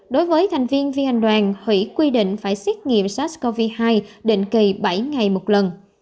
đối với thành viên phi hành đoàn hủy quy định phải xét nghiệm sars cov hai định kỳ bảy ngày một lần